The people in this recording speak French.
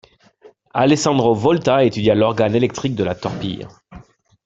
Alessandro Volta étudia l'organe électrique de la torpille.